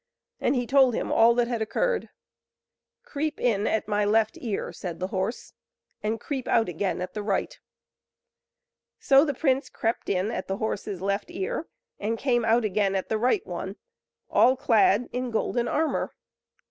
And he told him all that had occurred. "Creep in at my left ear," said the horse, "and creep out again at the right." So the prince crept in at the horse's left ear, and came out again at the right one, all clad in golden armour.